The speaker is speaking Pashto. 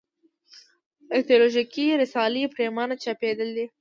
ایدیالوژیکې رسالې پرېمانه چاپېدلې.